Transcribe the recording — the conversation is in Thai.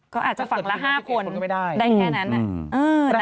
ก็อาจจะฝั่งละ๕คนได้แค่นั้น